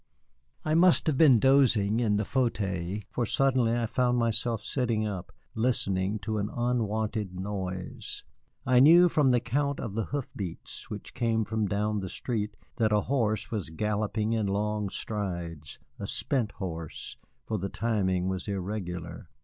I must have been dozing in the fauteuil, for suddenly I found myself sitting up, listening to an unwonted noise. I knew from the count of the hoof beats which came from down the street that a horse was galloping in long strides a spent horse, for the timing was irregular.